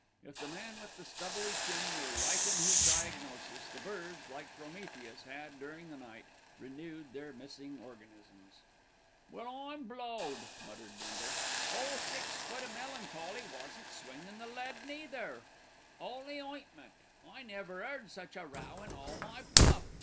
If the man with the stubbly chin were right in his diagnosis, the birds, like Prometheus, had, during the night, renewed their missing organisms. "Well, I'm blowed!" muttered Bindle. "Ole six foot o' melancholy wasn't swinging the lead neither. 'Oly ointment! I never 'eard such a row in all my puff.